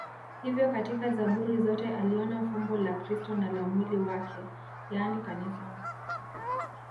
Hivyo katika Zaburi zote aliona fumbo la Kristo na la mwili wake, yaani Kanisa.